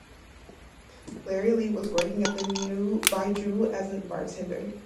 Larry Lee was working at the New Bijou as a bartender.